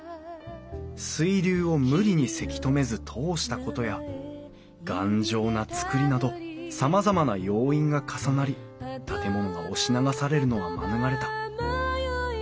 水流を無理にせき止めず通したことや頑丈な造りなどさまざまな要因が重なり建物が押し流されるのは免れた。